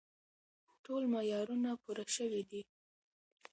ټول معیارونه پوره شوي دي.